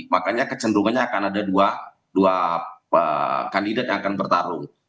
makanya kecenderungannya akan ada dua kandidat yang akan bertarung